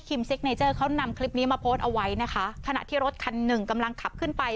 ซิกเนเจอร์เขานำคลิปนี้มาโพสต์เอาไว้นะคะขณะที่รถคันหนึ่งกำลังขับขึ้นไป